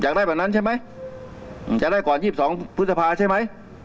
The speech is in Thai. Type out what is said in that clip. อยากได้บันดังใช่ไหมจะได้ก่อนยี่สิบสองพฤษภาช์ใช่ไหม